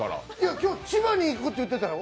今日、千葉に行くって言ってたよ。